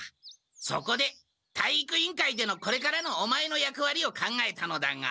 そこで体育委員会でのこれからのオマエの役わりを考えたのだが。